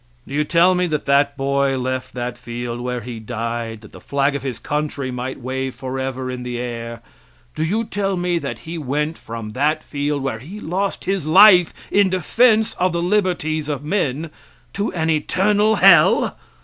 Do you tell me that that boy left that field where he died that the flag of his country might wave forever in the air do you tell me that he went from that field, where he lost his life in defense of the liberties of men, to an eternal hell?